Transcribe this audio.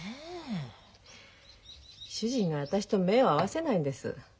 主人が私と目を合わせないんです。